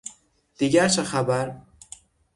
دیگر چه خبر؟